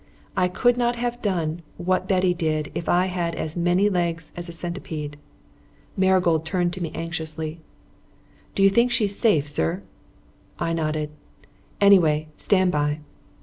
I could not have done what Betty did if I had had as many legs as a centipede. Marigold turned to me anxiously. "You do think she's safe, sir?" I nodded. "Anyway, stand by."